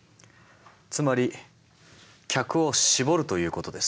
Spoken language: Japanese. つまり客を絞るということです。